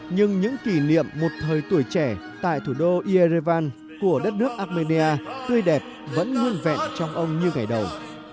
nhưng những kỷ niệm một thời tuổi trẻ tại thủ đô irevan của đất nước armenia tươi đẹp vẫn nguyên vẹn trong ông như ngày đầu